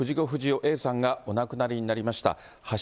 不二雄Ａさんがお亡くなりになりました。